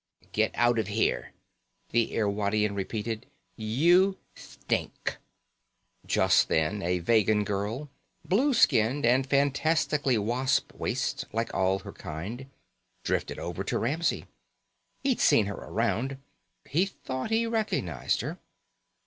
"Get out of here," the Irwadian repeated. "You thtink." Just then a Vegan girl, blue skinned and fantastically wasp waisted like all her kind, drifted over to Ramsey. He'd seen her around. He thought he recognized her.